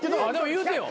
言うてよ